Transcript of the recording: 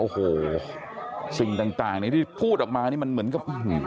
โอ้โหสิ่งต่างนี้ที่พูดออกมานี่มันเหมือนกับ